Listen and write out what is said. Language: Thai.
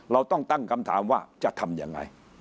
เราต้องตั้งคำถามว่าจะทำยังไง